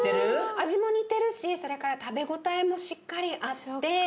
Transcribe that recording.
味も似てるしそれから食べ応えもしっかりあって。